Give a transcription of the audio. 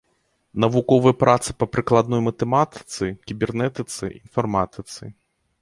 Навуковыя працы па прыкладной матэматыцы, кібернетыцы, інфарматыцы.